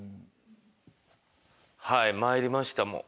はい参りました。